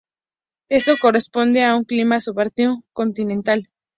Esto corresponde a un clima subártico continental.